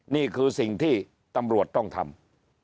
นี่คือสิ่งที่ตำรวจต้องทำ